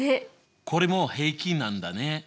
これも平均なんだね。